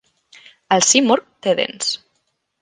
El simurgh té dents.